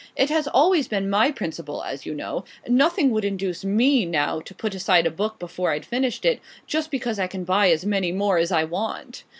It has always been my principle, as you know. Nothing would induce me, now, to put aside a book before I'd finished it, just because I can buy as many more as I want."